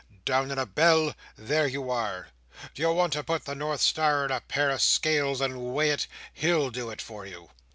Down in a bell? There you are. D'ye want to put the North Star in a pair of scales and weigh it? He'll do it for you."